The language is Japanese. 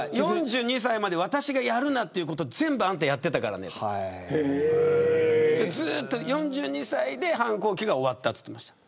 ４２歳まで私がやるなということ全部あんたやってたからねって４２歳で反抗期が終わったと言っていました。